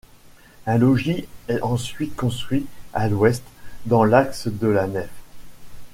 Un logis est ensuite construit à l'ouest, dans l'axe de la nef.